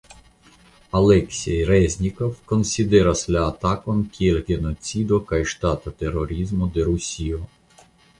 Aleksej Reznikov konsideris la atakon kiel genocido kaj ŝtata terorismo de Rusio.